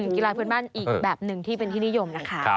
กีฬาพื้นบ้านอีกแบบหนึ่งที่เป็นที่นิยมนะคะ